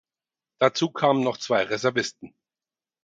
Dazu kamen noch zwei Reservisten.